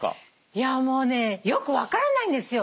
いやもうねよく分からないんですよ。